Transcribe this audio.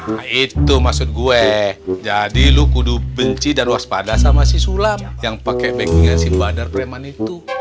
nah itu maksud gue jadi lu kudu benci dan waspada sama si sulam yang pakai backingan si badar preman itu